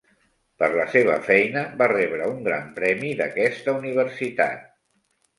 Per la seva feina, va rebre un gran premi d'aquesta universitat.